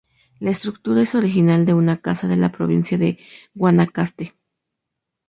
La estructura es original de una casa de la provincia de Guanacaste.